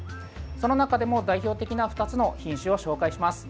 その中でも代表的な２つの品種を紹介します。